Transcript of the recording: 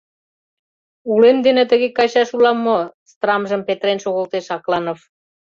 Улем дене тыге кайышаш улам мо? — ыстырамжым петырен шогылтеш Акланов.